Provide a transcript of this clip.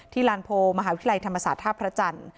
ลานโพลมหาวิทยาลัยธรรมศาสตร์ท่าพระจันทร์